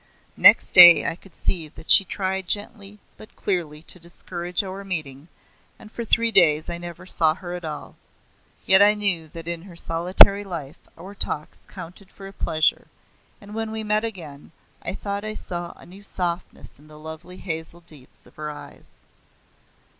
Next day I could see that she tried gently hut clearly to discourage our meeting and for three days I never saw her at all. Yet I knew that in her solitary life our talks counted for a pleasure, and when we met again I thought I saw a new softness in the lovely hazel deeps of her eyes.